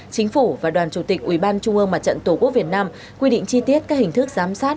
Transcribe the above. chính phủ và đoàn chủ tịch ủy ban trung ương mặt trận tổ quốc việt nam quy định chi tiết các hình thức giám sát